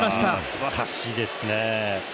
すばらしいですね。